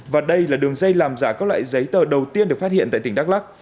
và đây là đường dây làm giả các loại giấy tờ đầu tiên được phát hiện tại tỉnh đắk lắc